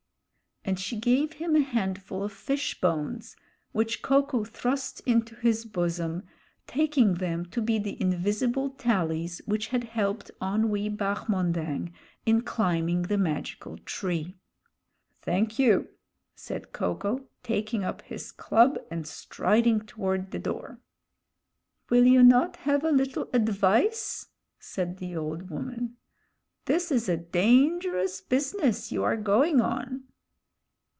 And she gave him a handful of fish bones, which Ko ko thrust into his bosom, taking them to be the Invisible Tallies which had helped Onwee Bahmondang in climbing the magical tree. "Thank you," said Ko ko, taking up his club and striding toward the door. "Will you not have a little advice," said the old woman. "This is a dangerous business you are going on."